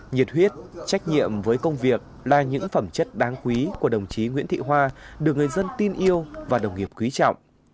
nhiệt huyết trách nhiệm với công việc là những phẩm chất đáng quý của đồng chí nguyễn thị hoa được người dân tin yêu và đồng nghiệp quý trọng